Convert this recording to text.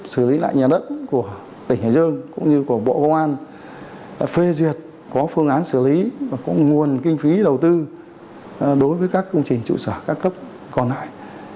xử lý lại nhà đất của tỉnh hải dương cũng như của bộ công an phê duyệt có phương án xử lý và có nguồn kinh phí đầu tư đối với các công trình trụ sở các cấp còn lại